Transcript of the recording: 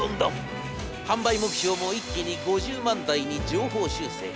販売目標も一気に５０万台に上方修正。